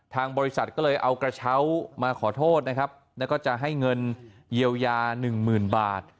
ทางบริษัทก็เลยเอากระเช้ามาขอโทษนะครับแล้วก็จะให้เงินเยียวยาหนึ่งหมื่นบาท